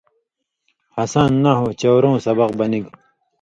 ہسان نحو چَورُوں سبق بنِگ